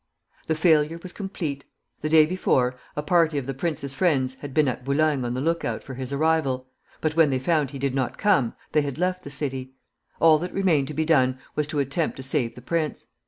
The failure was complete. The day before, a party of the prince's friends had been at Boulogne on the lookout for his arrival; but when they found he did not come, they had left the city. All that remained to be done was to attempt to save the prince.